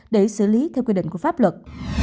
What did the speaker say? để xử lý theo quy định của pháp luật